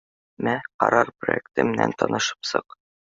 — Мә, ҡарар проекты менән танышып сыҡ